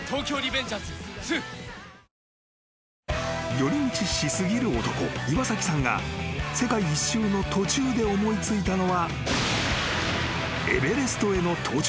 ［寄り道し過ぎる男岩崎さんが世界一周の途中で思い付いたのはエベレストへの登頂］